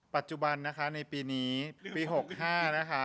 ปัจจุบันนะคะในปีนี้ปี๖๕นะคะ